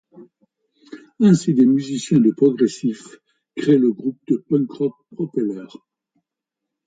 Ainsi des musiciens de progressif créent le groupe de punk rock Propeller.